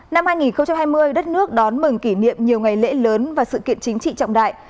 năm hai nghìn hai mươi đất nước đón mừng kỷ niệm nhiều ngày lễ lớn và sự kiện chính trị trọng đại